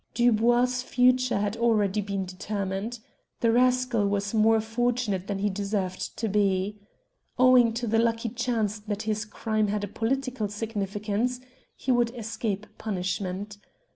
Dubois' future had already been determined. The rascal was more fortunate than he deserved to be. Owing to the lucky chance that his crime had a political significance he would escape punishment.